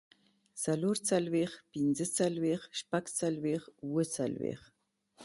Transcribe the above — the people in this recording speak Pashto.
څلورڅلوېښت، پينځهڅلوېښت، شپږڅلوېښت، اووهڅلوېښت